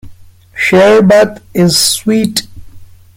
Sherbet is sweet.